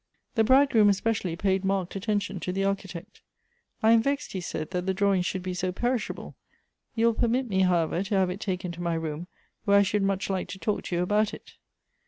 The bridegroom especially paid marked attention to the Architect. " I am vexed," he said, " that the draw ing should be so perishable ; you will permit me however to have it taken to my room, where I should much like to talk to you about it."